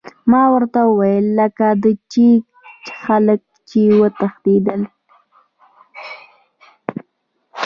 ما ورته وویل: لکه د چیک خلک، چې وتښتېدل.